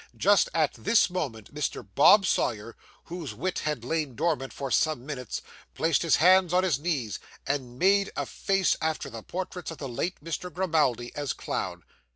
Just at this moment, Mr. Bob Sawyer, whose wit had lain dormant for some minutes, placed his hands on his knees, and made a face after the portraits of the late Mr. Grimaldi, as clown.